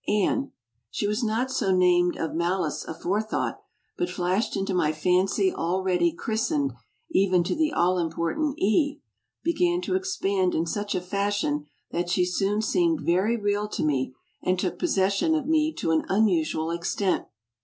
Anne she was not so tiamed of malice afore thought, but flashed into my fancy already christened, even to the all important "e" began to expand in such a fashion that she soon seemed very real to me and took possession of me to an unusual extent.